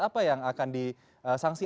apa yang akan disangsi